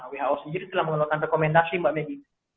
who sendiri telah mengeluarkan rekomendasi mbak megi